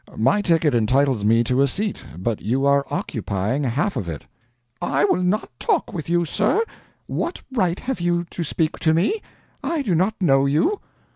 My ticket entitles me to a seat, but you are occupying half of it." "I will not talk with you, sir. What right have you to speak to me? I do not know you.